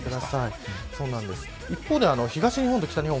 一方で東日本と北日本